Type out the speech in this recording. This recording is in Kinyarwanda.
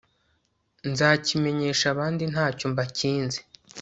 nzakimenyesha abandi nta cyo mbakinze